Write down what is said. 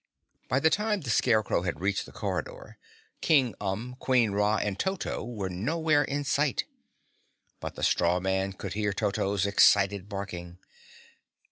By the time the Scarecrow had reached the corridor, King Umb, Queen Ra and Toto were nowhere in sight. But the straw man could hear Toto's excited barking.